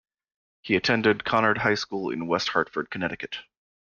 He attended Conard High School in West Hartford, Connecticut.